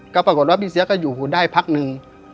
ก็ปรากฏว่าพี่เสียก็อยู่ได้พักหนึ่ง